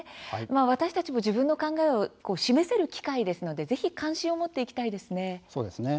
私たちも自分の考えを示せる機会ですのでぜひ関心を持っていきたいですね。